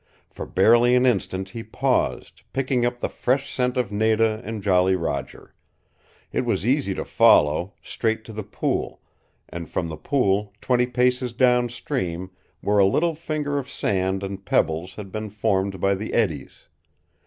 For barely an instant he paused, picking up the fresh scent of Nada and Jolly Roger. It was easy to follow straight to the pool, and from the pool twenty paces down stream, where a little finger of sand and pebbles had been formed by the eddies.